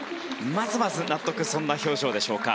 まずまず納得という表情でしょうか。